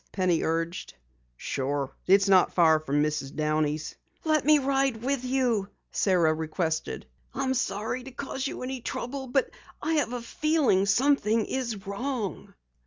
Penny urged. "Sure. It's not far from Mrs. Downey's." "Let me ride with you," Sara requested. "I'm sorry to cause you any trouble, but I have a feeling something is wrong."